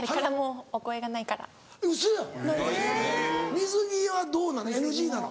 水着はどうなの？